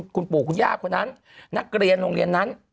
คุณปู่คุณย่าคนนั้นนักเรียนโรงเรียนนั้น